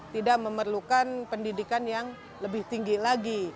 tidak memerlukan pendidikan yang lebih tinggi lagi